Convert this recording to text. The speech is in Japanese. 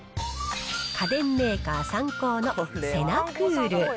家電メーカー、サンコーのセナクール。